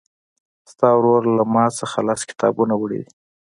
ستا ورور له مانه لس کتابونه وړي دي.